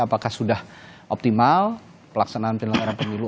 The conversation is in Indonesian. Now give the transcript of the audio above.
apakah sudah optimal pelaksanaan penyelenggara pemilu